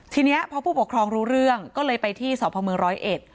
ทีนี้พอผู้ปกครองรู้เรื่องก็เลยไปที่สพมร้อยเอ็ด